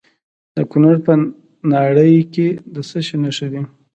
د کونړ په ناړۍ کې د څه شي نښې دي؟